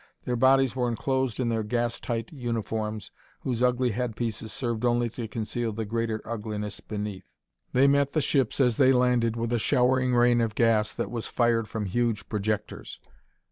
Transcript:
Their bodies were enclosed in their gas tight uniforms whose ugly head pieces served only to conceal the greater ugliness beneath. They met the ships as they landed with a showering rain of gas that was fired from huge projectors.